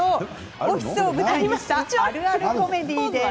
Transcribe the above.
オフィスを舞台にしたあるあるコメディーです。